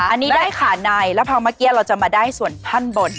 อันนี้ได้ขาในแล้วพอเมื่อกี้เราจะมาได้ส่วนท่อนบน